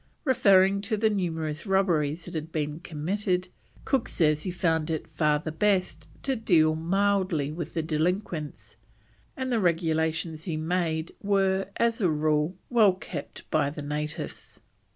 Referring to the numerous robberies that had been committed, Cook says he found it far the best to deal mildly with the delinquents, and the regulations he made were, as a rule, well kept by the natives.